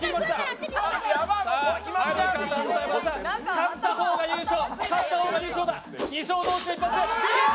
勝った方が優勝だ。